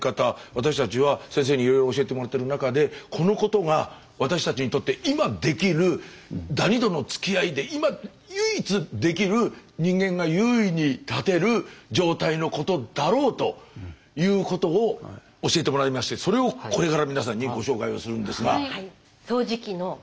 私たちは先生にいろいろ教えてもらってる中でこのことが私たちにとって今できるダニとのつきあいで今唯一できる人間が優位に立てる状態のことだろうということを教えてもらいましてそれをこれから皆さんにご紹介をするんですが。